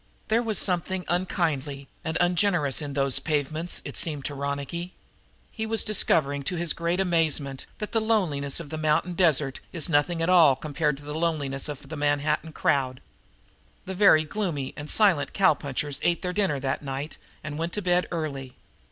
There was something unkindly and ungenerous in those pavements, it seemed to Ronicky. He was discovering to his great amazement that the loneliness of the mountain desert is nothing at all compared to the loneliness of the Manhattan crowd. Two very gloomy and silent cow punchers ate their dinner that night and went to bed early.